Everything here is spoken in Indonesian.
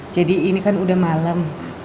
jadi ini kan udah malam